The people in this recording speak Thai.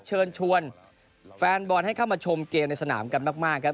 เชิญชวนแฟนบอลให้เข้ามาชมเกมในสนามกันมากครับ